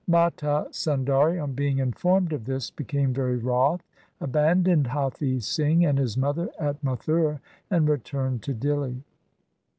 Mata Sundari on being informed of this became very wroth, abandoned Hathi Singh and his mother at Mathura, and returned to Dihli.